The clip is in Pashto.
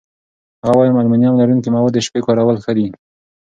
هغه وايي المونیم لرونکي مواد د شپې کارول ښه دي.